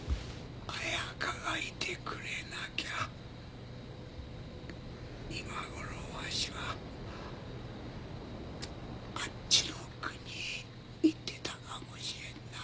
彩佳がいてくれなきゃ今ごろわしはあっちの国へ行ってたかもしれんな。